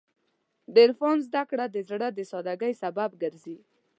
د عرفان زدهکړه د زړه د سادګۍ سبب ګرځي.